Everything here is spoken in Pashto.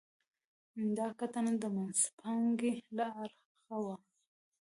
دا کتنه د منځپانګې له اړخه وه.